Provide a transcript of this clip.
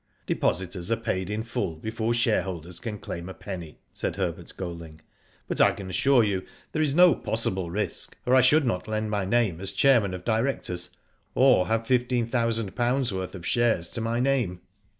" Depositors are paid in full before sliareholders can claim a penny," said Herbert Golding, '*but I can assure you there is no possible risk, or I should not lend my name as chairman of directors, Digitized byGoogk 144 ^J^O DID ITf or have fifteen thousand pounds worth of shares to my name."